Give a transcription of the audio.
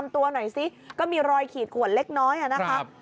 ตัวหน่อยซิก็มีรอยขีดขวนเล็กน้อยนะครับ